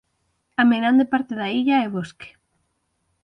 A meirande parte da illa é bosque.